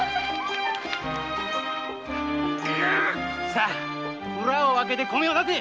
さあ蔵を開けて米をだせ！